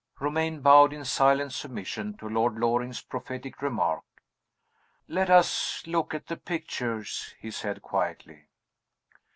Romayne bowed in silent submission to Lord Loring's prophetic remark. "Let us look at the pictures," he said, quietly.